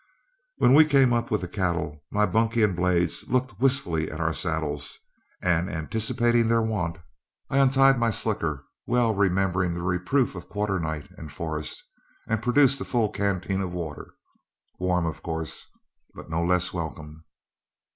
When we came up with the cattle, my bunkie and Blades looked wistfully at our saddles, and anticipating their want, I untied my slicker, well remembering the reproof of Quarternight and Forrest, and produced a full canteen of water, warm of course, but no less welcome.